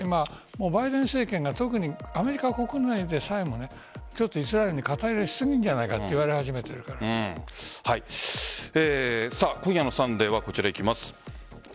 バイデン政権がアメリカ国内でさえもイスラエルに肩入れしすぎるんじゃないかと今夜の「サンデー」はこちら、いきます。